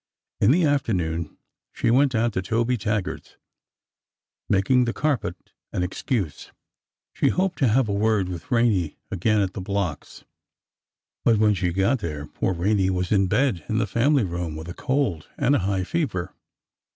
In the afternoon, she went down to Tobe Taggart's, making the carpet an excuse. She hoped to have a word with Rene again at the blocks. But when she got there, poor Rene was in bed in the family room with a cold and a high fever.